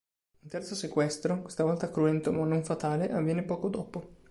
Un terzo sequestro, questa volta cruento ma non fatale, avviene poco dopo.